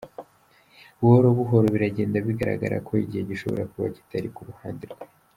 Buhoro buhoro biragenda bigaragara ko igihe gishobora kuba kitari ku ruhande rwe.